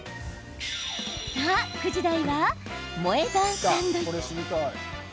さあ、９時台は萌え断サンドイッチ。